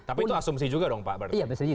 menutup polisi juga